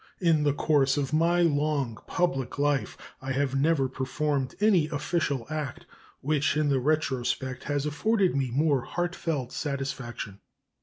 In the course of my long public life I have never performed any official act which in the retrospect has afforded me more heartfelt satisfaction.